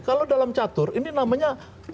kalau dalam catur ini namanya